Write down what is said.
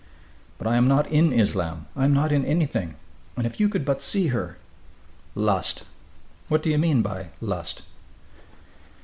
"But I am not in Islam. I am not in anything! And if you could but see her " "Lust!" "What do you mean by 'lust'?"